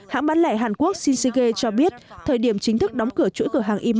hãng bán lẻ hàn quốc shin se ge cho biết thời điểm chính thức đóng cửa chuỗi cửa hàng e mart